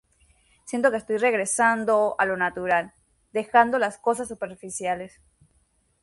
Siento que estoy regresando a lo natural, dejando las cosas superficiales.